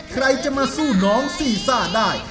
ใครจะมาสู้น้องซีซ่าได้